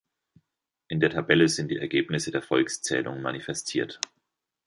In der Tabelle sind die Ergebnisse der Volkszählungen manifestiert.